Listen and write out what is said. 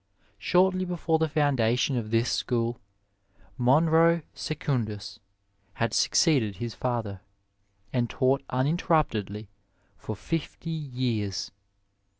Shortly before the foundation of this school Monro secundus had succeeded his father, and taught un interruptedly for fifty years.